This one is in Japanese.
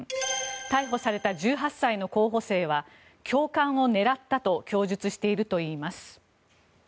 逮捕された１８歳の候補生は教官を狙ったと供述しているといいます。